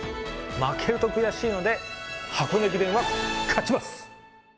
負けると悔しいので、箱根駅伝は勝ちます。